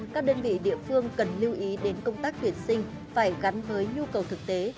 các đơn vị địa phương cần lưu ý đến công tác tuyển sinh phải gắn với nhu cầu thực tế